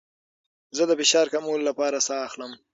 زه د فشار کمولو لپاره ساه اخلم.